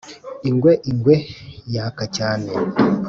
ingwe ingwe, yaka cyane,